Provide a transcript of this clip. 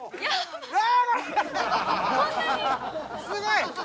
すごい。